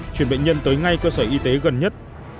chuyển bệnh nhân tới ngay cơ sở y tế gần nhất